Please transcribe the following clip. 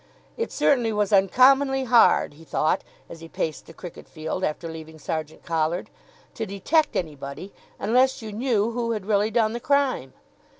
It certainly was uncommonly hard, he thought, as he paced the cricket field after leaving Sergeant Collard, to detect anybody, unless you knew who had really done the crime.